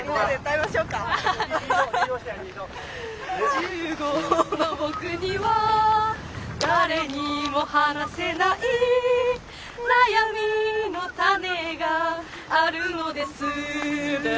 「十五の僕には誰にも話せない」「悩みの種があるのです」